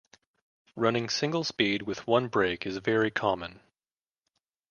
Running singlespeed with one brake is very common.